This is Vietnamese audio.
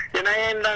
hiện anh đang làm